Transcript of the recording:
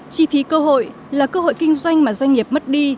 chi phí cơ hội là cơ hội kinh doanh mà doanh nghiệp mất đi